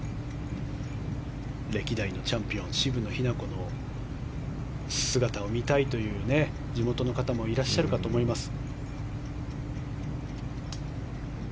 歴代のチャンピオン渋野日向子の姿を見たいという地元の方もいらっしゃるかと思います。